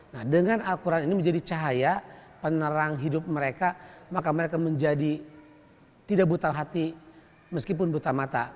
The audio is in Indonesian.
nah dengan al quran ini menjadi cahaya penerang hidup mereka maka mereka menjadi tidak buta hati meskipun buta mata